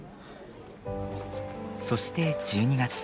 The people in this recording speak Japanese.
そして１２月。